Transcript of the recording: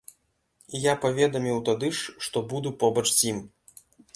І я паведаміў тады ж, што буду побач з ім.